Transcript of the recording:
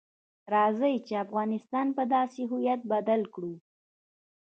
راځئ چې افغانستان په داسې هویت بدل کړو.